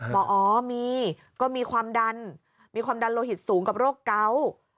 บอกอ๋อมีก็มีความดันมีความดันโลหิตสูงกับโรคเกาะ